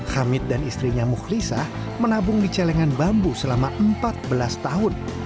hamid dan istrinya mukhlisah menabung di celengan bambu selama empat belas tahun